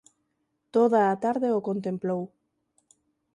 Toda a tarde o contemplou.